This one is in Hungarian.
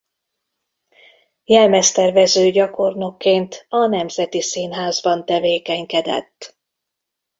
Jelmeztervező gyakornokként a Nemzeti Színházban tevékenykedett.